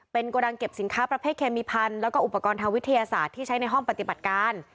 โกดังเก็บสินค้าประเภทเคมีพันธุ์แล้วก็อุปกรณ์ทางวิทยาศาสตร์ที่ใช้ในห้องปฏิบัติการ